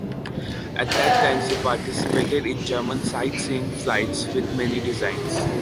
At that time, she participated in German sightseeing flights with many designs.